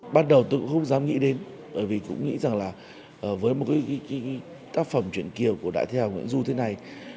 bắt đầu tôi cũng không dám nghĩ đến bởi vì cũng nghĩ rằng là với một cái tác phẩm chuyện kiều của đại thế hà nguyễn du thế này